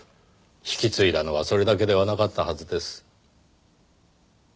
引き継いだのはそれだけではなかったはずです。